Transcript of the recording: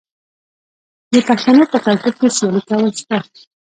د پښتنو په کلتور کې سیالي کول شته.